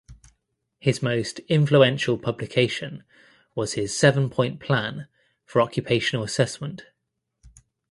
His most influential publication was his "seven point plan" for occupational assessment.